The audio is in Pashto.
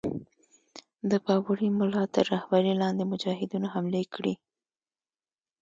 د بابړي مُلا تر رهبری لاندي مجاهدینو حملې کړې.